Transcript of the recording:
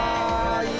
いい